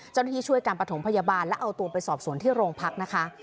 ช่วยการประถมพยาบาลและเอาตัวไปสอบสวนที่โรงพักนะคะ